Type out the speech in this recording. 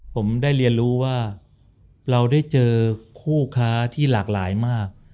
ผมได้เรียนรู้ว่าเราได้เจอคู่ค้าที่หลากหลายมาก